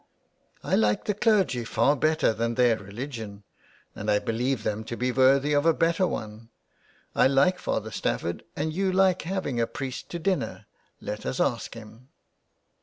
" I like the clergy far better than their religion, and believe them to be worthy of a better one. I like Father Stafford, and you like having a priest to dinner. Let us ask him."